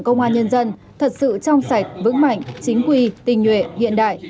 lực lượng công an nhân dân thật sự trong sạch vững mạnh chính quy tình nguyện hiện đại